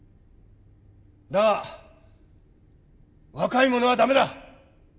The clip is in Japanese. だが若い者は駄目だ。